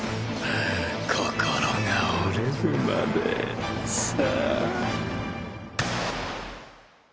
心が折れるまでさ。